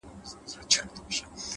پرمختګ له روښانه موخو ځواک اخلي’